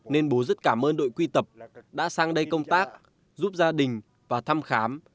nên bố rất cảm ơn đội quy tập đã sang đây công tác giúp gia đình và thăm khám